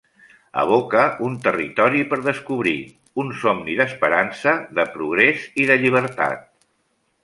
Evoca un territori per descobrir, un somni d'esperança, de progrés i de llibertat.